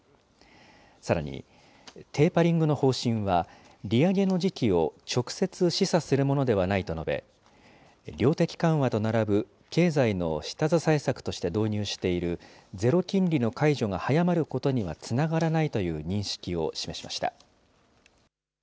さらに、テーパリングの方針は利上げの時期を直接示唆するものではないと述べ、量的緩和と並ぶ経済の下支え策として導入しているゼロ金利の解除が早まることにはつながらないという認識を示しました。